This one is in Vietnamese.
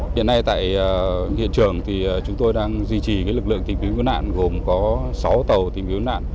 hiện nay tại hiện trường chúng tôi đang duy trì lực lượng tìm kiếm nạn gồm có sáu tàu tìm kiếm nạn